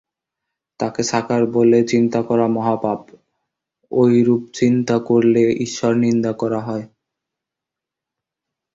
তাঁকে সাকার বলে চিন্তা করা মহাপাপ, ঐরূপ চিন্তা করলে ঈশ্বর-নিন্দা করা হয়।